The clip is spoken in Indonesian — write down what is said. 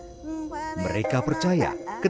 mereka percaya ketika melantunkan doa lewat nyanyian